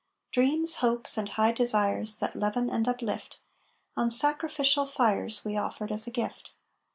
Dreams, hopes, and high desires, That leaven and uplift, On sacrificial fires We offered as a gift.